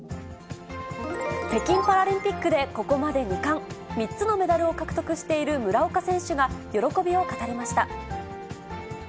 北京パラリンピックでここまで２冠、３つのメダルを獲得している村岡選手が喜びを語りました。